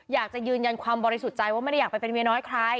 อยากจะยืนยันความบริสุทธิ์ใจว่าไม่ได้อยากไปเป็นเมียน้อยใคร